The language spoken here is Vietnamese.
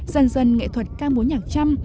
dần dần nghệ thuật ca múa nhạc trăm